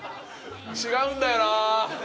違うんだよな。